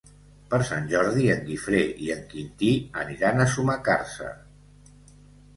Per Sant Jordi en Guifré i en Quintí aniran a Sumacàrcer.